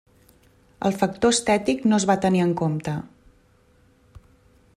El factor estètic no es va tenir en compte.